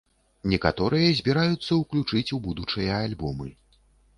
Некаторыя збіраюцца ўключыць у будучыя альбомы.